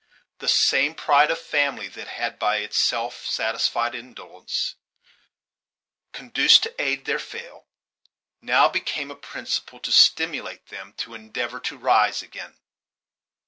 The same pride of family that had, by its self satisfied indolence, conduced to aid their fail, now became a principle to stimulate them to endeavor to rise again.